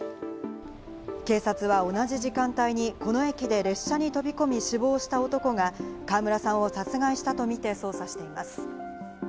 警察は同じ時間帯に、この駅で列車に飛び込み死亡した男が川村さんを殺害したとみて捜査しています。